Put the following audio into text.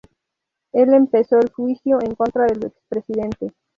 El empezó el juicio en contra del expresidente.